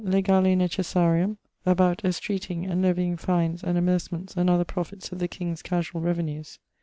Legale necessarium: about estreateing and leavying fines and amercements and other profits of the king's casuall revenues.